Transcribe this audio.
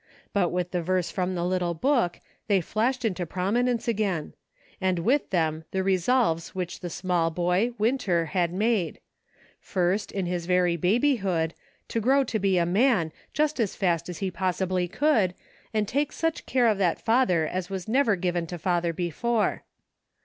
But with the verse from the little book, they flashed into promi nence again ; and with them the resolves which the small boy, Winter, had made ; first, in his very babyhood, to grow to be a man, just as fast as he possibly could, and take such care of that father as was never given to father before.